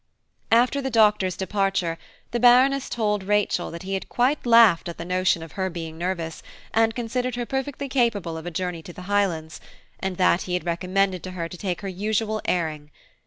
After the Doctor's departure, the Baroness told Rachel that he had quite laughed at the notion of her being nervous, and considered her perfectly capable of a journey to the Highlands, and that he had recommended to her to take her usual airing.